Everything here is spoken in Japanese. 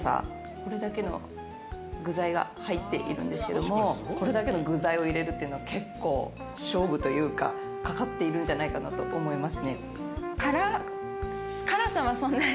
これだけの具材が入っているんですけれど、これだけ具材を入れるのは結構、勝負がかかっているんじゃないかと思います。